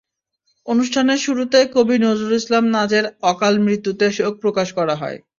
অনুষ্ঠানের শুরুতে কবি নজরুল ইসলাম নাজের অকাল মৃত্যুতে শোক প্রকাশ করা হয়।